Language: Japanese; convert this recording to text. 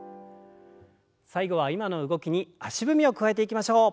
最後は今の動きに足踏みを加えていきましょう。